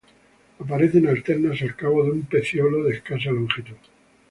Aparecen alternas, al cabo de un pecíolo de escasa longitud.